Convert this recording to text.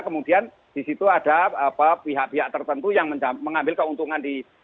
kemudian di situ ada pihak pihak tertentu yang mengambil keuntungan di